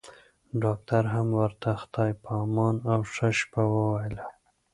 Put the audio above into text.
ډاکټر هم ورته خدای په امان او ښه شپه وويله.